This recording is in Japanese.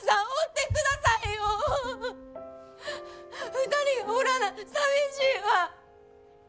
２人がおらな寂しいわ！